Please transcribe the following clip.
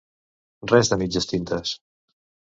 Res de mitges tintes.